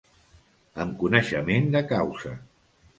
Amb coneixement de causa.